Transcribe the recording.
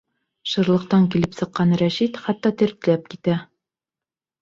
Шырлыҡтан килеп сыҡҡан Рәшит хатта тертләп китә.